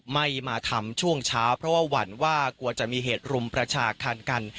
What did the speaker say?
ไม่มาทำช่วงเช้าเพราะว่าหวั่นว่ากลัวจะมีเหตุรุมประชาคารกัน